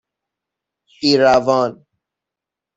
ایروان